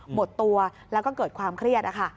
หมดตัวแล้วก็เกิดความเครียดนะคะ